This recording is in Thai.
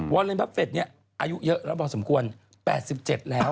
วอเลนบัฟเฟฟทนี่อายุเยอะแล้วบ่สมควร๘๗แล้ว